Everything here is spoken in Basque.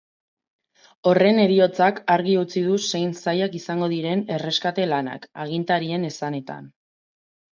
Horren heriotzak argi utzi du zein zailak izango diren erreskate-lanak, agintarien esanetan.